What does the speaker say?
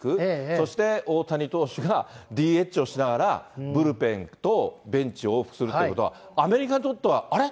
そして大谷投手がＤＨをしながらブルペン行くと、ベンチを往復するということは、アメリカにとっては、あれ？